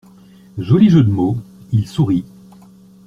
Joli jeu de mots. Il sourit.